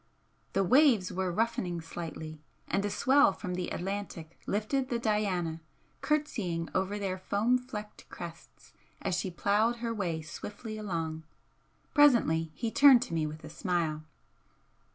The waves were roughening slightly and a swell from the Atlantic lifted the 'Diana' curtsying over their foam flecked crests as she ploughed her way swiftly along. Presently he turned to me with a smile.